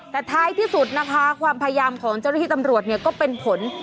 แต่ท้ายที่สุดนะคะความพยายามของเจ้าหน้าที่ตำรวจเนี่ยก็เป็นผล